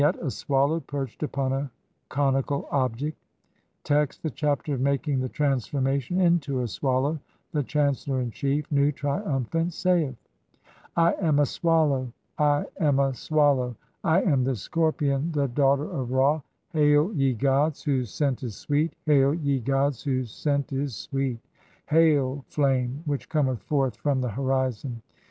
] Vignette : A swallow perched upon a conical object. Text: (1) The Chapter of making the transformation INTO A SWALLOW. The chancellor in chief, Nu, triumphant, saith :— (2) THE CHAPTERS OF TRANSFORMATIONS. H7 "I am a swallow, I am a swallow. I am the Scorpion, the "daughter of Ra. Hail, ye gods, whose scent is sweet ; hail, ye "gods, whose scent is sweet! [Hail,] Flame, which cometh forth "from the horizon